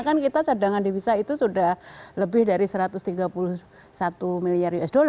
karena kita cadangan di misal itu sudah lebih dari satu ratus tiga puluh satu miliar usd